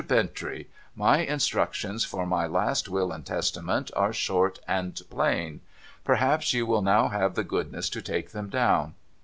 Bintrey, my instructions for my last will and testament are short and plain. Perhaps you will now have the goodness to take them down.